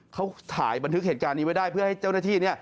เขาถ่ายบันทึกเหตุการณ์นี้ไว้ได้เพื่อให้เจ้าหน้าที่